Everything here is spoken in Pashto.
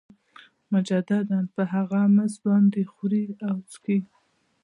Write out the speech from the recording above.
مجدداً په هغه مزد باندې خوري او څښي